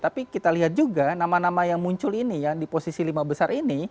tapi kita lihat juga nama nama yang muncul ini ya di posisi lima besar ini